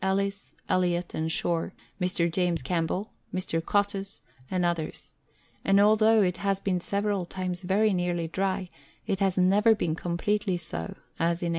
Ellis, Elliot and Shore, Mr. James Campbell, Mr. Coutts, and others ; and although it has been several times very nearly dry, it has never been completely so as in 1843.